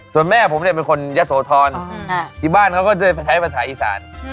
ส่วนแม่ผมเนี่ยเป็นคนยะโสธรที่บ้านเขาก็จะใช้ภาษาอีสาน